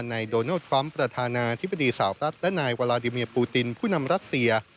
นายโดนัลดทรัมป์ประธานาธิบดีสาวรัฐและนายวาลาดิเมียปูตินผู้นำรัสเซีย